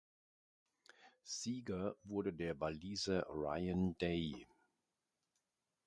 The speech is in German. Sieger wurde der Waliser Ryan Day.